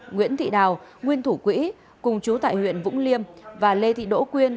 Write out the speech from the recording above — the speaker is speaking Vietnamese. nguyễn thị đào nguyên thủ quỹ cùng chú tại huyện vũng liêm và lê thị đỗ quyên